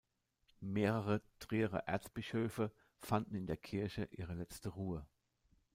Mehrere Trierer Erzbischöfe fanden in der Kirche ihre letzte Ruhe.